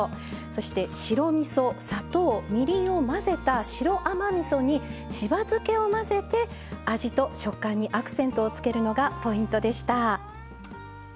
そして白みそ砂糖みりんを混ぜた白甘みそにしば漬けを混ぜて味と食感にアクセントをつけるのがポイントでした。